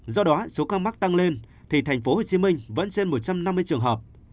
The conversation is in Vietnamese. do đó số ca mắc tăng lên thì tp hcm vẫn trên một trăm năm mươi trường hợp